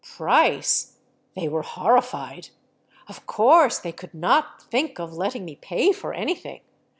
Price? They were horrified ! Of course they could not think of letting me pay for anything.